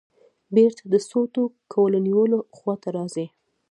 بېرته د سوټو کولونیلو خواته راځې.